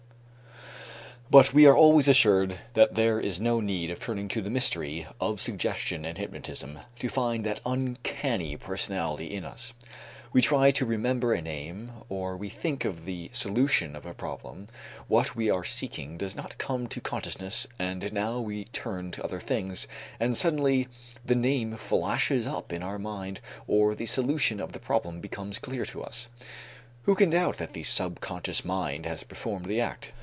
But we are always assured that there is no need of turning to the mystery of suggestion and hypnotism to find that uncanny subpersonality in us. We try to remember a name, or we think of the solution of a problem; what we are seeking does not come to consciousness and now we turn to other things; and suddenly the name flashes up in our mind or the solution of the problem becomes clear to us. Who can doubt that the subconscious mind has performed the act?